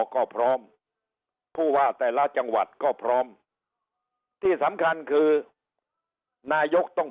ก็พร้อมผู้ว่าแต่ละจังหวัดก็พร้อมที่สำคัญคือนายกต้อง